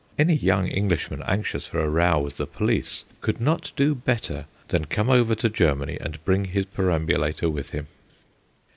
Any young Englishman anxious for a row with the police could not do better than come over to Germany and bring his perambulator with him.